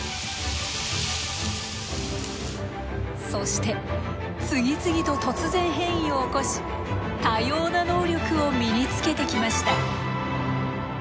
そして次々と突然変異を起こし多様な能力を身につけてきました。